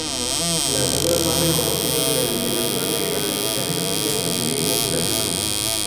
Las obras más reconocidas de la literatura griega están escritas en griego clásico.